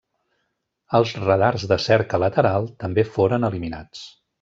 Els radars de cerca lateral també foren eliminats.